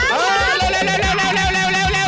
เออเร็วเร็วเร็ว